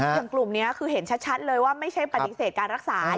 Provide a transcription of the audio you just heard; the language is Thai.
กลุ่มนี้คือเห็นชัดเลยว่าไม่ใช่ปฏิเสธการรักษา